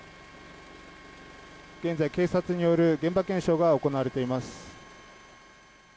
現在、警察による現場検証が行われています。